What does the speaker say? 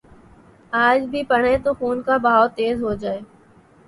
آج بھی پڑھیں تو خون کا بہاؤ تیز ہو جائے۔